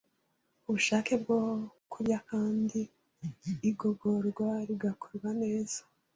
ubushake bwo kurya kandi igogorwa rigakorwa neza